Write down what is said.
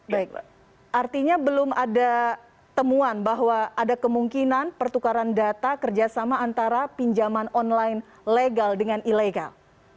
baik artinya belum ada temuan bahwa ada kemungkinan pertukaran data kerjasama antara pinjaman online legal dengan ilegal